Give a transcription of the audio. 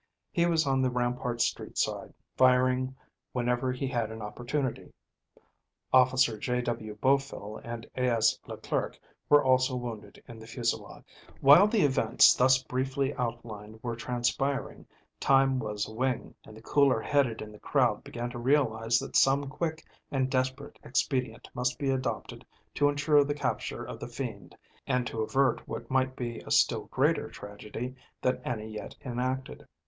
He was on the Rampart Street side firing whenever he had an opportunity. Officer J.W. Bofill and A.S. Leclerc were also wounded in the fusillade. While the events thus briefly outlined were transpiring time was a wing, and the cooler headed in the crowd began to realize that some quick and desperate expedient must be adopted to insure the capture of the fiend and to avert what might be a still greater tragedy than any yet enacted.